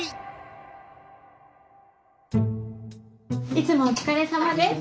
いつもお疲れさまです。